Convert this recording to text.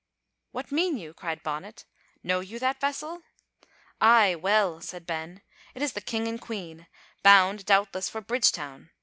"What mean you?" cried Bonnet. "Know you that vessel?" "Ay, weel," said Ben, "it is the King and Queen, bound, doubtless, for Bridgetown.